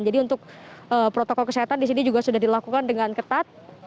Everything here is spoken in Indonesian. jadi untuk protokol kesehatan di sini juga sudah dilakukan dengan ketat